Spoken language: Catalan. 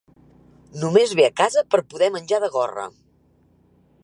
Només ve a casa per poder menjar de gorra.